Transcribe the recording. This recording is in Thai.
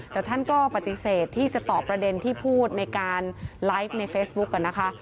แต่ท่านก็ปฏิเสธที่จะตอบประเด็นที่พูดในการไลฟ์ในเฟซบุ๊กนะคะ